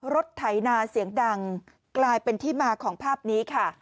ไถนาเสียงดังกลายเป็นที่มาของภาพนี้ค่ะ